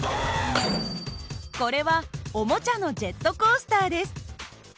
これはおもちゃのジェットコースターです。